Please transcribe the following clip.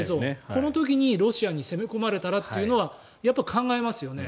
この時にロシアに攻め込まれたらというのは考えますよね。